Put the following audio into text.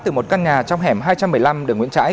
từ một căn nhà trong hẻm hai trăm một mươi năm đường nguyễn trãi